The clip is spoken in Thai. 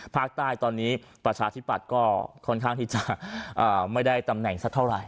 ภาคใต้ตอนนี้ประชาธิปัตย์ก็ค่อนข้างที่จะไม่ได้ตำแหน่งสักเท่าไหร